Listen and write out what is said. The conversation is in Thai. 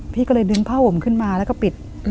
พี่ก็เลยดึงผ้าห่มขึ้นมาแล้วก็ปิด